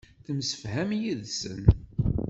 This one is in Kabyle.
Temsefham yid-sen.